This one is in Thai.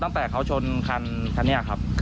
ตั้งแต่เขาชนคันนี้ครับ